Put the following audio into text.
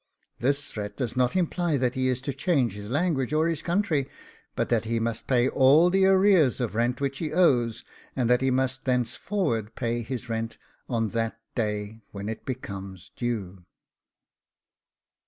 This threat does not imply that he is to change his language or his country, but that he must pay all the arrear of rent which he owes, and that he must thenceforward pay his rent on that day when it becomes due.